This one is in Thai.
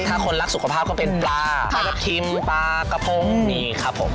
ถ้าคนรักสุขภาพก็เป็นปลาปลากระทิมปลากระพงนี่ครับผม